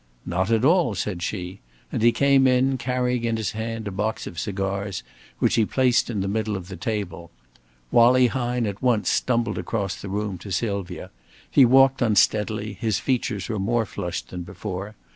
"Not at all," said she; and he came in, carrying in his hand a box of cigars, which he placed in the middle of the table. Wallie Hine at once stumbled across the room to Sylvia; he walked unsteadily, his features were more flushed than before.